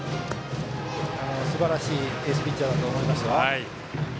すばらしいエースピッチャーだと思いますよ。